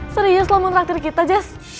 serius lo mau ngerangkir kita jess